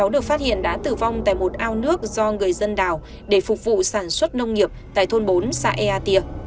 được phát hiện đã tử vong tại một ao nước do người dân đào để phục vụ sản xuất nông nghiệp tại thôn bốn xã ea tìa